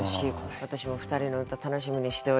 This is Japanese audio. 私も２人の歌楽しみにしております。